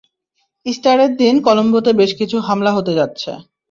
ইস্টারের দিন কলোম্বোতে বেশ কিছু হামলা হতে যাচ্ছে।